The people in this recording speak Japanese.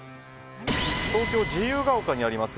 東京・自由が丘にあります